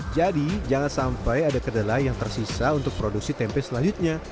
jadi jangan sampai ada kedelai yang tersisa untuk produksi tempe selanjutnya